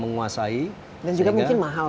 menguasai dan juga mungkin mahal